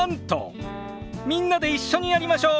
みんなで一緒にやりましょう！